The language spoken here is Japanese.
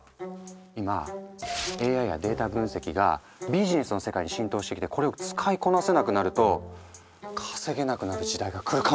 今ＡＩやデータ分析がビジネスの世界に浸透してきてこれを使いこなせなくなると稼げなくなる時代が来るかも。